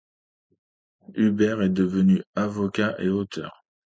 Hubert est devenu avocat et auteur.